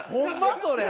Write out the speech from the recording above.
それ。